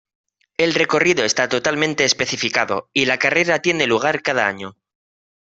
El recorrido está totalmente especificado, y la carrera tiene lugar cada año.